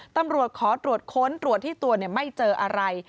ตำรวจขอตรวจค้นตรวจที่ตัวไม่เจออะไร